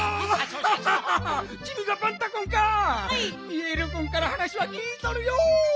ピエールくんからはなしはきいとるよ！